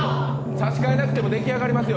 差し替え６分、出来上がりますよ。